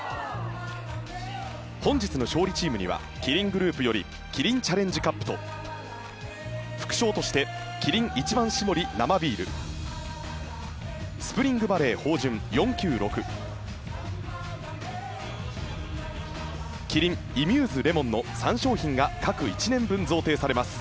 本日の勝利チームにはキリングループよりキリンチャレンジカップと副賞としてキリン一番搾り生ビールＳＰＲＩＮＧＶＡＬＬＥＹ豊潤４９６キリンｉＭＵＳＥレモンの３商品が各１年分、贈呈されます。